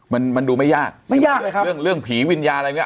มันมันดูไม่ยากไม่ยากเลยครับเรื่องเรื่องผีวิญญาณอะไรพวกเนี้ย